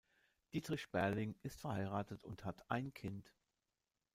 Dietrich Sperling ist verheiratet und hat ein Kind.